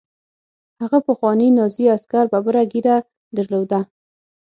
هغه پخواني نازي عسکر ببره زیړه ږیره درلوده